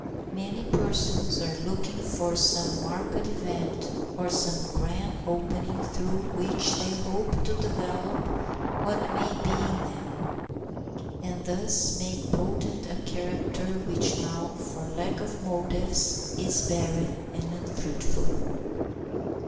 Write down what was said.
Many persons are looking for some marked event or some grand opening through which they hope to develop what may be in them, and thus make potent a character which now, for lack of motives, is barren and unfruitful.